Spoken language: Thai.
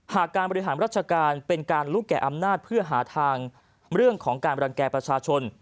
การบริหารราชการเป็นการลุกแก่อำนาจเพื่อหาทางเรื่องของการรังแก่ประชาชน